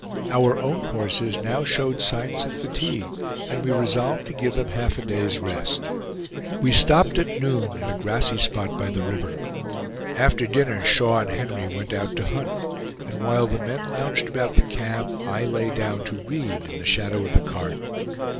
Our own horses now showed signs of fatigue, and we resolved to give them half a day's rest. We stopped at noon at a grassy spot by the river. After dinner Shaw and Henry went out to hunt; and while the men lounged about the camp, I lay down to read in the shadow of the cart.